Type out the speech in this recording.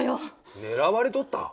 狙われとった？